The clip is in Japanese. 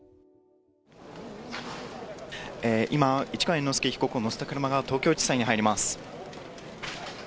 今、市川猿之助被告を乗せた車が、東京地裁に入ります。